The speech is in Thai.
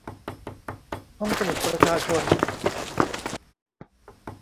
ห้องสมุดประชาชน